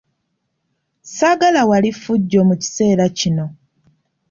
Saagala wali ffujjo mu kiseera kino.